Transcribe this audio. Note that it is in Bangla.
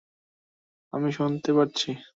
আমি শুনতে পারছি।